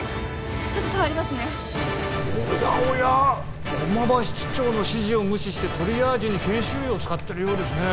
ちょっと触りますねおやおや駒場室長の指示を無視してトリアージに研修医を使ってるようですね